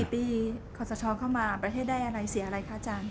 ๔ปีขอสชเข้ามาประเทศได้อะไรเสียอะไรคะอาจารย์